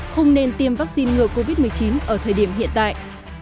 không nên tiêm vaccine ngừa covid một mươi chín ở thời điểm hiện tại